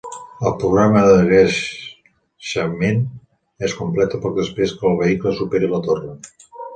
El programa de guerxament es completa poc després que el vehicle superi la torre.